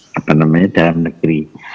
apa namanya dalam negeri